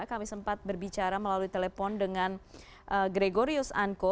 kami sempat berbicara melalui telepon dengan gregorius anko